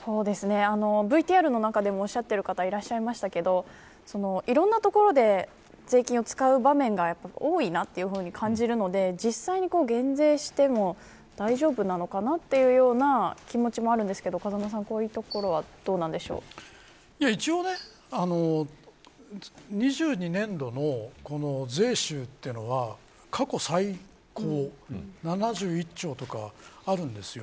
ＶＴＲの中でもおっしゃっている方いらっしゃいましたけどいろんなところで税金を使う場面が多いなというふうに感じるので実際に減税しても大丈夫なのかなというような気持ちもあるんですけど風間さん、こういうところは一応、２０２２年度の税収というのは過去最高７１兆円とかあるんですよ。